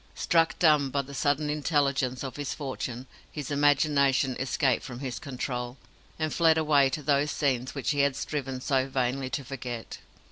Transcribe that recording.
Struck dumb by the sudden intelligence of his fortune, his imagination escaped from his control, and fled away to those scenes which he had striven so vainly to forget.